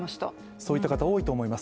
そういった方、多いと思います。